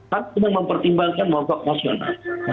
kan memang mempertimbangkan mobok nasional